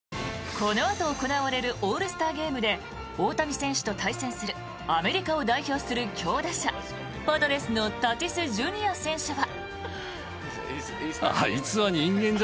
このあと行われるオールスターゲームで大谷選手と対戦するアメリカを代表する強打者パドレスのタティスＪｒ．は。